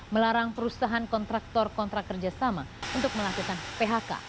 melarang perusahaan kontraktor kontrak kerja sama untuk melakukan phk